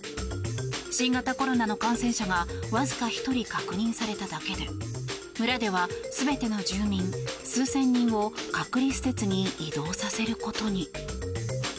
新型コロナの感染者がわずか１人確認されただけで村では全ての住民数千人を隔離施設に移動させることに。